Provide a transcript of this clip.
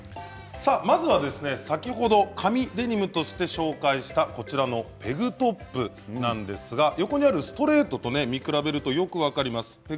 まずは先ほど神デニムとして紹介したこちらのペグトップなんですが横にあるストレートと見比べるとよく分かります。